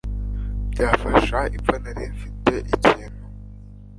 byafasha ipfa nari mfite ikintu